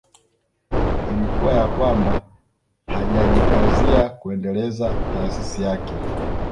Ilikuwa ya kwamba hajajikazia kuendeleza taasisi yake